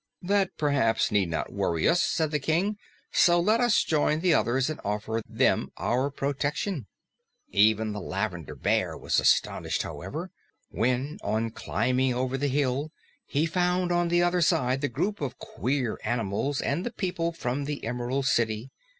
"That 'perhaps' need not worry us," said the King, "so let us join the others and offer them our protection." Even the Lavender Bear was astonished, however, when on climbing over the hill he found on the other side the group of queer animals and the people from the Emerald City.